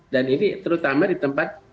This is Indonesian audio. dan ini terutama di tempat